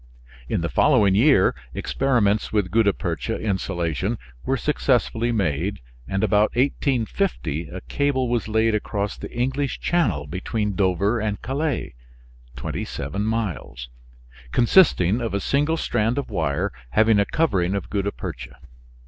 In the following year experiments with gutta percha insulation were successfully made, and about 1850 a cable was laid across the English Channel between Dover and Calais (twenty seven miles), consisting of a single strand of wire having a covering of gutta percha.